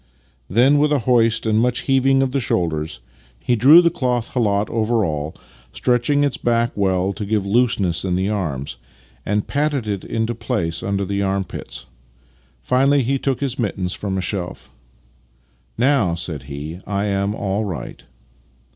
Then, with a hoist and much heaving of the shoulders, he drew the cloth ' A kind of frock coat Master and Man 9 khalat over all (stretching its back well, to give loose ness in the arms), and patted it into place under the arm pits. Finally he took his mittens from a shelf. " Now," said he, " I am all right."